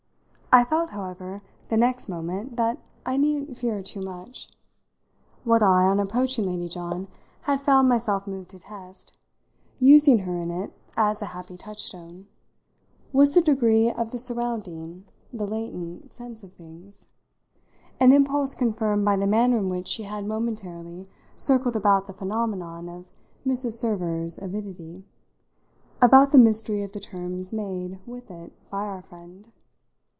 I felt, however, the next moment that I needn't fear too much. What I, on approaching Lady John, had found myself moved to test, using her in it as a happy touchstone, was the degree of the surrounding, the latent, sense of things: an impulse confirmed by the manner in which she had momentarily circled about the phenomenon of Mrs. Server's avidity, about the mystery of the terms made with it by our friend.